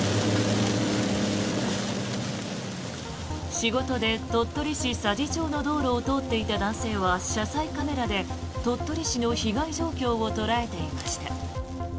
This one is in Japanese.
仕事で鳥取市佐治町の道路を通っていた男性は車載カメラで鳥取市の被害状況を捉えていました。